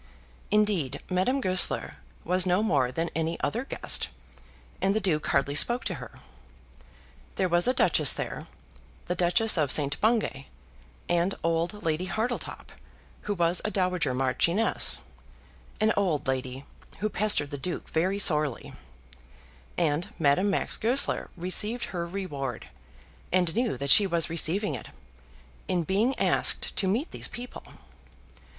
Indeed Madame Goesler was no more than any other guest, and the Duke hardly spoke to her. There was a Duchess there, the Duchess of St. Bungay, and old Lady Hartletop, who was a dowager marchioness, an old lady who pestered the Duke very sorely, and Madame Max Goesler received her reward, and knew that she was receiving it, in being asked to meet these people.